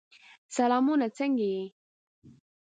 سلامونه! څنګه یې؟